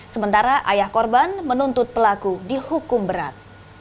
sementara ayah korban menuntut pelaku dihukum berat